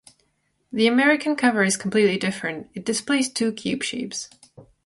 The American cover is completely different; it displays two cube shapes.